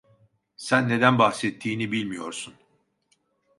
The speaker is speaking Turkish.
Sen neden bahsettiğini bilmiyorsun.